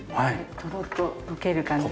とろっと溶ける感じで。